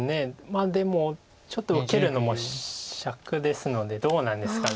まあでもちょっと受けるのもしゃくですのでどうなんですか。